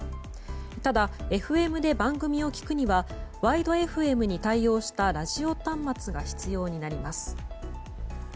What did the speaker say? ただＦＭで番組を聴くにはワイドＦＭに対応したラジオ端末が必要になります。